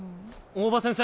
大葉先生。